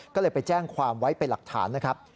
ก็เลยไปแจ้งความไว้เป็นหลักฐานนะครับ